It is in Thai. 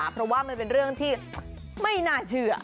เพราะว่ามันเป็นเรื่องที่ไม่น่าเชื่อ